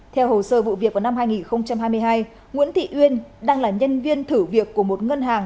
theo hồ sơ vụ việc vào năm hai nghìn hai mươi hai nguyễn thị uyên đang là nhân viên thử việc của một ngân hàng